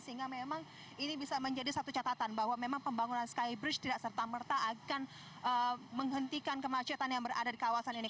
sehingga memang ini bisa menjadi satu catatan bahwa memang pembangunan skybridge tidak serta merta akan menghentikan kemacetan yang berada di kawasan ini